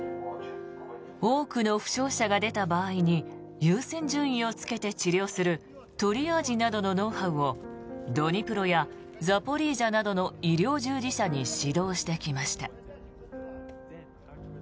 多くの負傷者が出た場合に優先順位をつけて治療するトリアージなどのノウハウをドニプロやザポリージャなどの医療従事者に指導してきました。